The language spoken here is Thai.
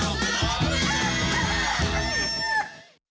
อะรัดอะรัดอะรัดว๊า่